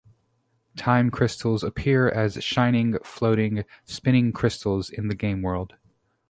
Time Crystals appear as shining, floating, spinning crystals in the game world.